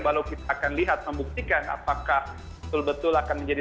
kalau kita akan lihat membuktikan apakah betul betul akan menjadi